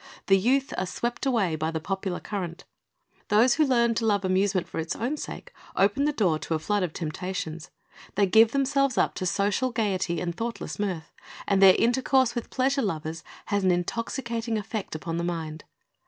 The youth are swept away by the popular current. Those who learn to love amusement for its own sake, open ''The Sozvcr Went Forth to Sow'" 55 the door to a flood of temptations. They give themselves up to social gaiety and thoughtless mirth, and their inter course with pleasure lovers has an intoxicating effect upon the mind.